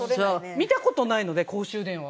見た事ないので公衆電話を。